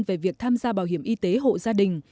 về việc tham gia bảo hiểm y tế hộ gia đình